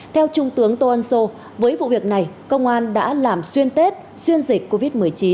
theo trung tướng tô ân sô với vụ việc này công an đã làm xuyên tết xuyên dịch covid một mươi chín